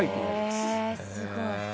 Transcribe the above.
すごい。